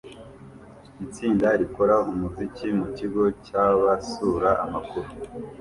Itsinda rikora umuziki mukigo cyabasura amakuru